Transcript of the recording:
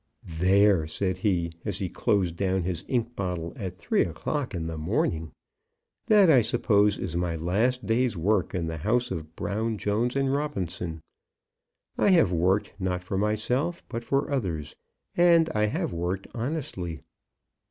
"There," said he, as he closed down his ink bottle at three o'clock in the morning, "that, I suppose, is my last day's work in the house of Brown, Jones, and Robinson. I have worked, not for myself, but others, and I have worked honestly."